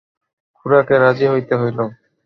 খুড়াকে রাজি হইতে হইল।